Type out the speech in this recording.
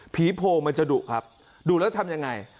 โผล่มันจะดุครับดุแล้วทำยังไง